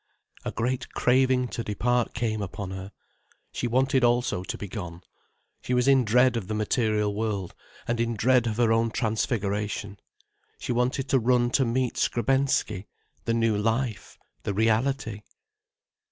A great craving to depart came upon her. She wanted also to be gone. She was in dread of the material world, and in dread of her own transfiguration. She wanted to run to meet Skrebensky—the new life, the reality.